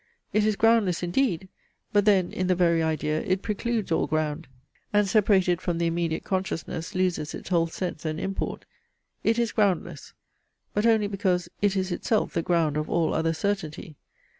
It is groundless indeed; but then in the very idea it precludes all ground, and separated from the immediate consciousness loses its whole sense and import. It is groundless; but only because it is itself the ground of all other certainty.